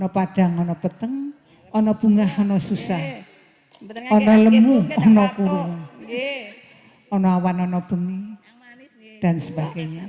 padang ada petang ada bunga ada susah ada lemu ada kurung ada awan ada bumi dan sebagainya